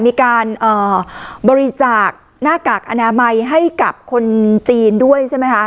มีการบริจาคหน้ากากอนามัยให้กับคนจีนด้วยใช่ไหมคะ